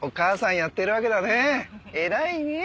偉いね！